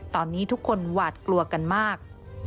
ตอนนี้ทุกคนหวาดกลัวกันมาก